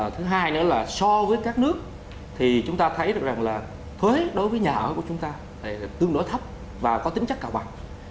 thứ hai nữa là so với các nước thì chúng ta thấy được rằng là thuế đối với nhà ở của chúng ta lại tương đối thấp và có tính chất cao bằng